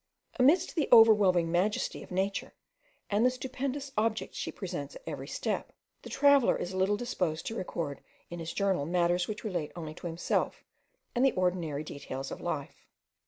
Amidst the overwhelming majesty of Nature, and the stupendous objects she presents at every step, the traveller is little disposed to record in his journal matters which relate only to himself, and the ordinary details of life.